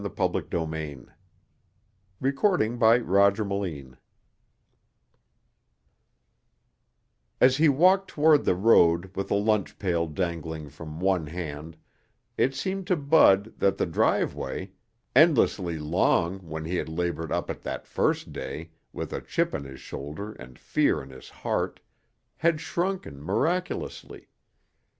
They don't often have trout there." chapter 4 As he walked toward the road with a lunch pail dangling from one hand, it seemed to Bud that the driveway endlessly long when he had labored up it that first day, with a chip on his shoulder and fear in his heart had shrunken miraculously.